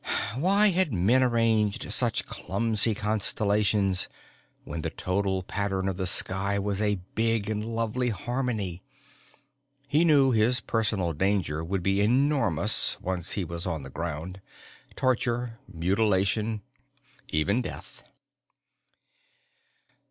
Why had men arranged such clumsy constellations when the total pattern of the sky was a big and lovely harmony? He knew his personal danger would be enormous once he was on the ground. Torture, mutilation, even death.